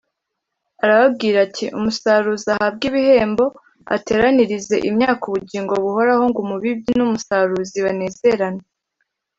Arababwira ati, “Umusaruzi ahabwe ibihembo, ateranirize imyaka ubugingo buhoraho ngo umubibyi n’umusaruzi banezeranwe